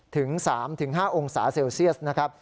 ถึง๓๕องศาเซลเซียสนะครับ